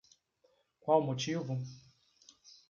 Qual o motivo?